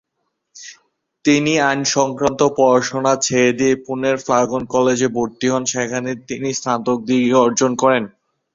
তিনি আইন সংক্রান্ত পড়াশোনা ছেড়ে দিয়ে পুনের ফার্গুসন কলেজে ভর্তি হন, সেখানে তিনি স্নাতক ডিগ্রি অর্জন করেন।